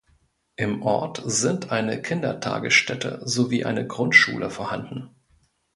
Im Ort sind eine Kindertagesstätte sowie eine Grundschule vorhanden.